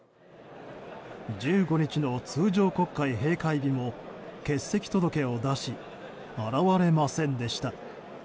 １５日の通常国会閉会日も欠席届を出し現れませんでした。